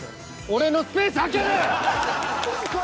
俺のスペース空けろよ！